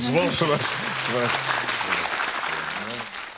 すばらしい。